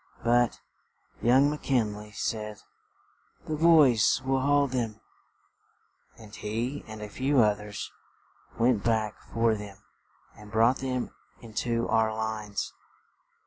But, young Mc Kin ley said, "The boys will haul them;" and he and a few oth ers went back for them and brought them into our lines.